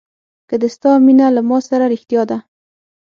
که د ستا مینه له ما سره رښتیا ده.